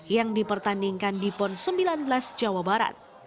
yang dipertandingkan di pon sembilan belas jawa barat